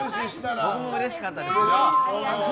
僕もうれしかったですよ。